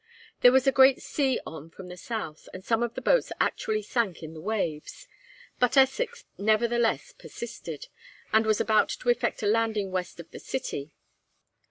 There was a great sea on from the south, and some of the boats actually sank in the waves, but Essex nevertheless persisted, and was about to effect a landing west of the city.